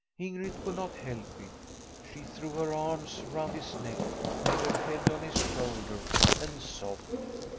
Ingrid could not help it. She threw her arms round his neck, laid her head on his shoulder and sobbed.